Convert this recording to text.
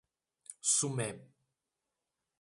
Sumé